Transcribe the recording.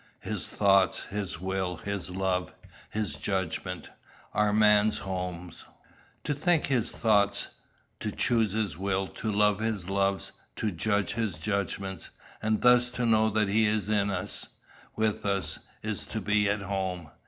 His thoughts, his will, his love, his judgment, are man's home. To think his thoughts, to choose his will, to love his loves, to judge his judgments, and thus to know that he is in us, with us, is to be at home.